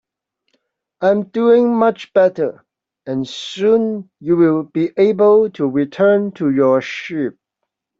I'm doing much better, and soon you'll be able to return to your sheep.